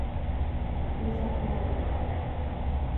Йозаклан